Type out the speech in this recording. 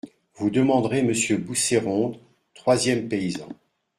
Vous demanderez Monsieur Bousséronde … troisième paysan .